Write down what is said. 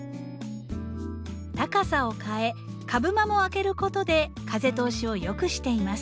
高さを変え株間も空けることで風通しを良くしています。